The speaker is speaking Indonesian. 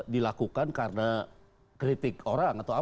dilakukan karena kritik orang